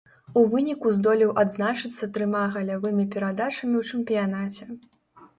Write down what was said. У выніку здолеў адзначыцца трыма галявымі перадачамі ў чэмпіянаце.